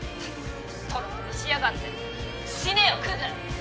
トロトロしやがって死ねよクズ！